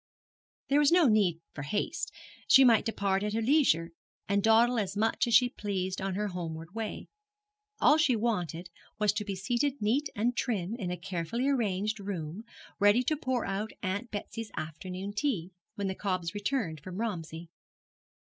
There was no need for haste. She might depart at her leisure, and dawdle as much as she pleased on her homeward way. All she wanted was to be seated neat and trim in a carefully arranged room, ready to pour out Aunt Betsy's afternoon tea, when the cobs returned from Romsey.